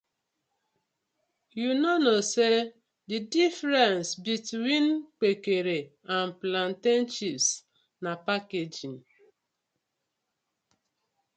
Yu no kno say di difference between Kpekere and plantain chips na packaging.